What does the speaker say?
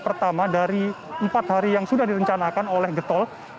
pertama dari empat hari yang sudah direncanakan oleh getol